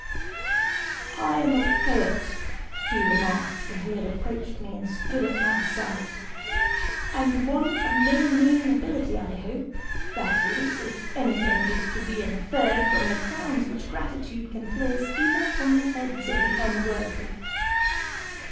"I am a poet," he remarked, when he had approached me and stood at my side, "and one of no mean ability, I hope, that is, if anything is to be inferred from the crowns which gratitude can place even upon the heads of the unworthy!